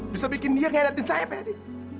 bisa bikin dia ngeratin saya pak yadi